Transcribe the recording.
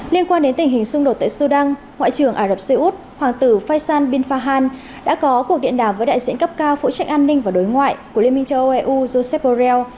liên quan đến tình hình xung đột tại sudan ngoại trưởng ả rập xê út hoàng tử faisan bin fahan đã có cuộc điện đàm với đại diện cấp cao phụ trách an ninh và đối ngoại của liên minh châu âu eu joseph borrell